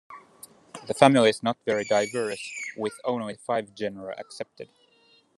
The family is not very diverse, with only five genera accepted.